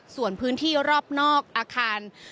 ส่วนพื้นที่รอบนอกอาคาร